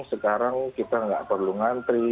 sekarang kita nggak perlu ngantri